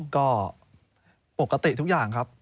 ก็ปกติทุกอย่างครับ